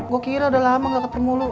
gue kira udah lama gak ketemu lu